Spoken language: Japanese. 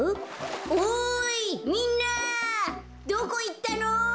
おいみんなどこいったの？